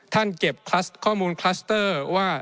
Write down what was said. เก็บข้อมูลคลัสเตอร์ว่า